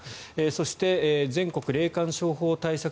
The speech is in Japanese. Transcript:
そして全国霊感商法対策